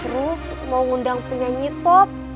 terus mau ngundang punya nyitop